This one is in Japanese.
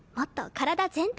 体全体？